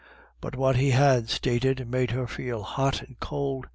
But what he had stated made her feel hot and cold.